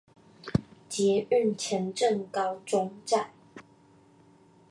捷運前鎮高中站